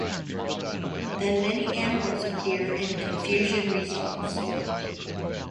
Then many animals appear, and confusion results.